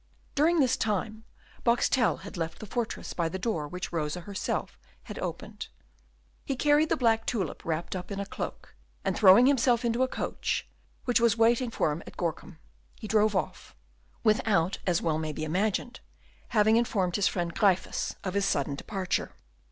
During this time Boxtel had left the fortress by the door which Rosa herself had opened. He carried the black tulip wrapped up in a cloak, and, throwing himself into a coach, which was waiting for him at Gorcum, he drove off, without, as may well be imagined, having informed his friend Gryphus of his sudden departure.